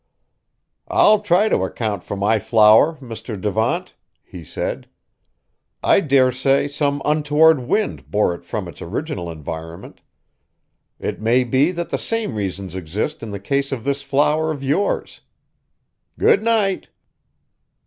"I'll try to account for my flower, Mr. Devant," he said. "I dare say some untoward wind bore it from its original environment; it may be that the same reasons exist in the case of this flower of yours. Good night!"